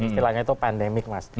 istilahnya itu pandemik mas